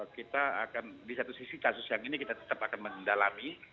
kita akan di satu sisi kasus yang ini kita tetap berhubungan dengan tim